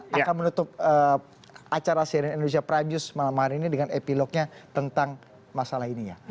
kita akan menutup acara cnn indonesia prime news malam hari ini dengan epilognya tentang masalah ini ya